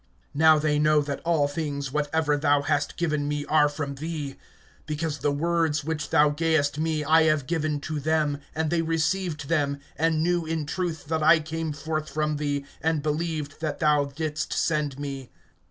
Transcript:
(7)Now they know that all things whatever thou hast given me are from thee; (8)because the words which thou gayest me I have given to them, and they received them, and knew in truth that I came forth from thee, and believed that thou didst send me.